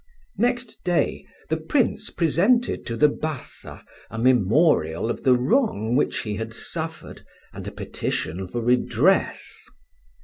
Next day the Prince presented to the Bassa a memorial of the wrong which he had suffered, and a petition for redress.